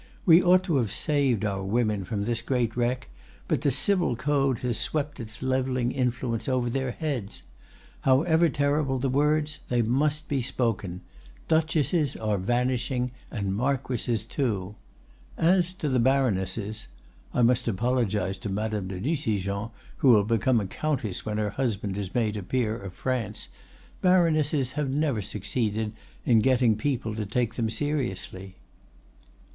We ought to have saved our women from this great wreck, but the Civil Code has swept its leveling influence over their heads. However terrible the words, they must be spoken: Duchesses are vanishing, and marquises too! As to the baronesses—I must apologize to Madame de Nucingen, who will become a countess when her husband is made a peer of France—baronesses have never succeeded in getting people to take them seriously."